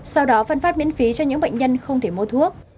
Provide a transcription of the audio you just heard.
sau đó phân phát miễn phí cho những bệnh nhân không thể mua thuốc